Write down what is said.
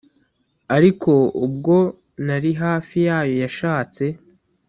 ariko ubwo nari hafi yayo yashatse